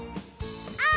「あ」